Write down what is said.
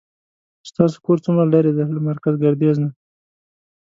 ستاسو کور څومره لری ده له مرکز ګردیز نه